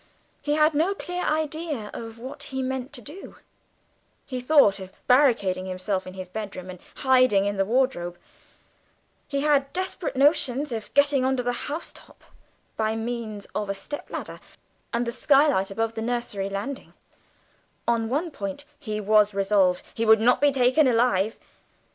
He had no clear idea of what he meant to do; he thought of barricading himself in his bedroom and hiding in the wardrobe; he had desperate notions of getting on to the housetop by means of a step ladder and the sky light above the nursery landing; on one point he was resolved he would not be retaken alive!